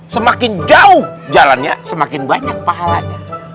semakin jauh jalannya semakin banyak pahalanya